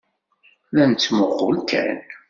La nettmuqqul kan.